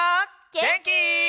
げんき？